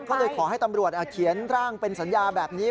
ก็เลยขอให้ตำรวจเขียนร่างเป็นสัญญาแบบนี้